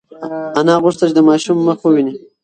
انا غوښتل چې د ماشوم مخ وویني.